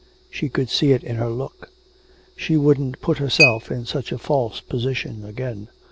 She could see it in her look. She wouldn't put herself in such a false position again.